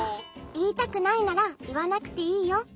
「いいたくないならいわなくていいよ。